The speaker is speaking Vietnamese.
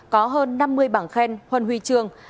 có hơn năm mươi bảng khen huân huy trương